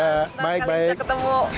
senang sekali bisa ketemu